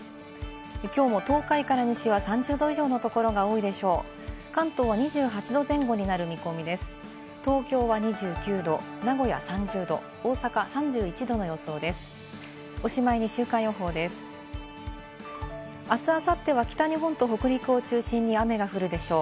きょうも東海から西は３０度以上のところが多いでしょう。